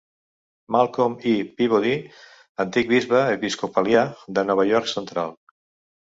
Malcolm E. Peabody, antic bisbe episcopalià de Nova York Central.